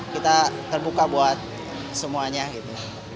kita terbuka buat semuanya gitu